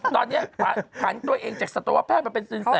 ตอนนี้ผันตัวเองจากสัตวแพทย์มาเป็นสินแส